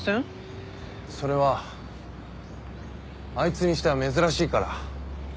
それはあいつにしては珍しいから。